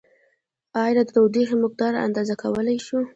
ایا د تودوخې مقدار اندازه کولای شو؟